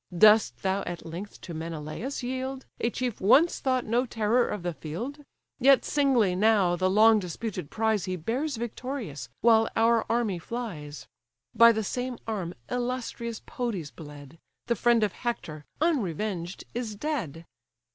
Dost thou at length to Menelaus yield, A chief once thought no terror of the field? Yet singly, now, the long disputed prize He bears victorious, while our army flies: By the same arm illustrious Podes bled; The friend of Hector, unrevenged, is dead!"